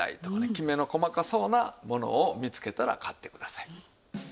キメの細かそうなものを見つけたら買ってください。